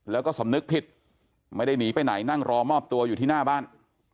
แล้วก็สำนึกผิดไม่ได้หนีไปไหนนั่งรอมอบตัวอยู่ที่หน้าบ้าน